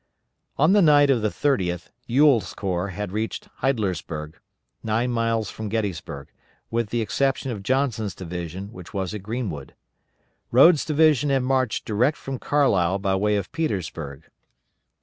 On the night of the 30th Ewell's corps had reached Heidlersburg, nine miles from Gettysburg, with the exception of Johnson's division, which was at Greenwood. Rodes' division had marched direct from Carlisle by way of Petersburg.